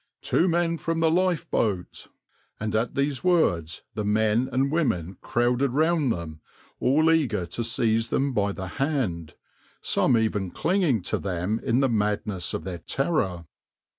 "Two men from the life boat," and at these words the men and women crowded round them, all eager to seize them by the hand, some even clinging to them in the madness of their terror.